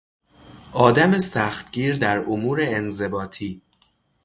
آدم سختگیر در امور انضباطی